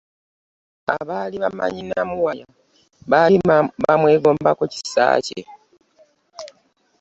Abaali bamanyi Namuwaya baali bamwegombako kisa kye.